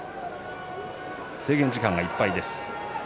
制限時間がいっぱいです。